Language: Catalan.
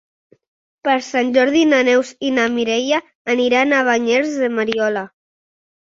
Per Sant Jordi na Neus i na Mireia aniran a Banyeres de Mariola.